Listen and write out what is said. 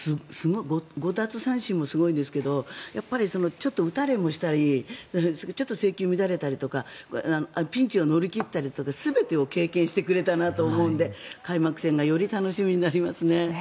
５奪三振もすごいんですがやっぱりちょっと打たれもしたりちょっと制球が乱れたりとかピンチを乗り切ったりとか全てを経験してくれたなと思うので開幕戦がより楽しみになりますね。